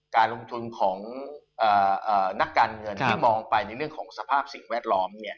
การลงทุนของนักการเงินที่มองไปในเรื่องของสภาพสิ่งแวดล้อม